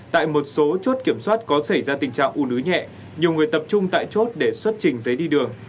tại một số chốt kiểm soát có xảy ra tình trạng u nứ nhẹ nhiều người tập trung tại chốt để xuất trình giấy đi đường